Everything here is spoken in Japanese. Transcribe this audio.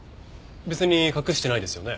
別に隠してないですよね